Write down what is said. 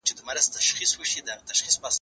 زه اوږده وخت د سبا لپاره د يادښتونه بشپړوم!